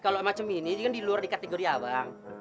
kalau macam ini kan di luar di kategori abang